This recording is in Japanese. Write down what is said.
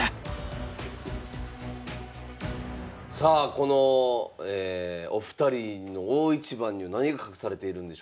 さあこのお二人の大一番には何が隠されているんでしょうか。